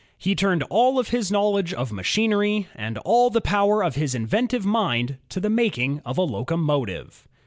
He turned all his knowledge of machinery, and all the power of his inventive mind, to the making of a locomotive.